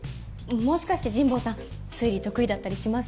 もしかして神保さん推理得意だったりします？